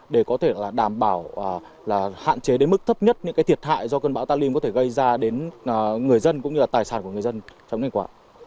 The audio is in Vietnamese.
để có thể đảm bảo là hạn chế đến mức thấp nhất những thiệt hại do cơn bão talim có thể gây ra đến người dân cũng như là tài sản của người dân trong ngày quả